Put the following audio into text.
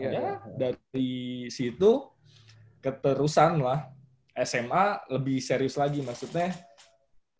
ya dari situ keterusan lah sma lebih serius lagi maksudnya